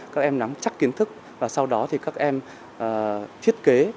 các em nắm chắc kiến thức và sau đó thì các em thiết kế